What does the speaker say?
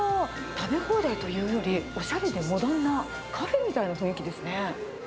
食べ放題というより、おしゃれでモダンなカフェみたいな雰囲気ですね。